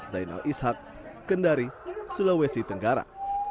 zainal ishak kendari sulawesi tenggara